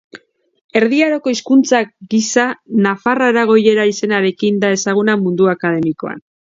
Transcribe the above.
Erdi Aroko hizkuntza gisa nafar-aragoiera izenarekin da ezaguna mundu akademikoan.